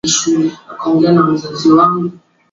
Katika kufanya hivyo lazima nchi iwe tulivu